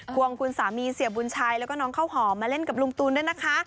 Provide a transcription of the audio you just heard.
วงคุณสามีเสียบุญชัยแล้วก็น้องข้าวหอมมาเล่นกับลุงตูนด้วยนะคะ